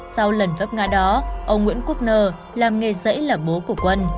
sau lần phép nga đó ông nguyễn quốc nơ làm nghề dẫy là bố của quân